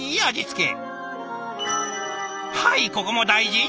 はいここも大事！